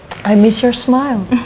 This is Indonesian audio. saya rindu dengan senyummu